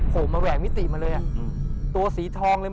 ผมมาแหวกมิติมาเลยอ่ะตัวสีทองเลย